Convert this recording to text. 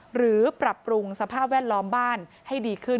หรือปรับปรุงสภาพแวดล้อมบ้านให้ดีขึ้น